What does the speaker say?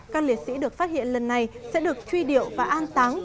các liệt sĩ được phát hiện lần này sẽ được truy điệu và an táng